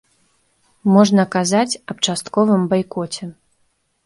Можна казаць аб частковым байкоце.